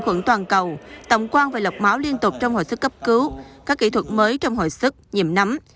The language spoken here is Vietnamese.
khuẩn toàn cầu tổng quan về lọc máu liên tục trong hội sức cấp cứu các kỹ thuật mới trong hội sức nhiễm nắm